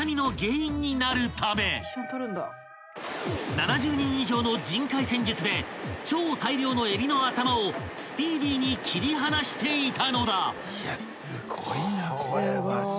［７０人以上の人海戦術で超大量のえびの頭をスピーディーに切り離していたのだ］